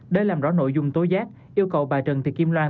để làm rõ nội dung tối giác yêu cầu bà trần thị kim loan